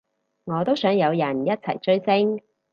我都想有人一齊追星